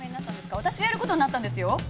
私がやる事になったんですよ。